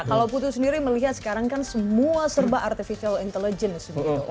kalau putu sendiri melihat sekarang kan semua serba artificial intelligence